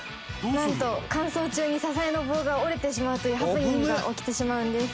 「なんと間奏中に支えの棒が折れてしまうというハプニングが起きてしまうんです」